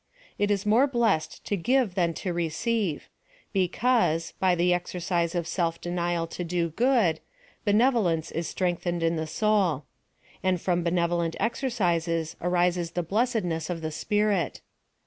" It is more blessed to give than to receive :" because, by the ex:;rcise of self denial to do good, PLAN OF SALVATION. 215 benevolence is strengthened in the soul ; and from benevolent exercises arises the blessedness of the spirit.